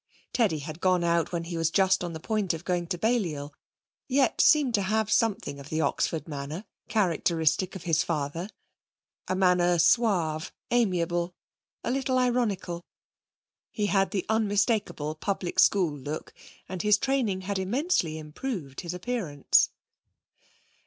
Teddy had gone out when he was just on the point of going to Balliol, yet seemed to have something of the Oxford manner, characteristic of his father a manner suave, amiable, a little ironical. He had the unmistakable public school look and his training had immensely improved his appearance.